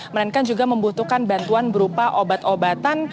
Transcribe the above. melainkan juga membutuhkan bantuan berupa obat obatan